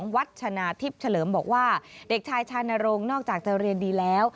วัดชนะทิพย์เฉลิมบอกว่าเด็กชายชานโรงนอกจากจะเรียนดีแล้ว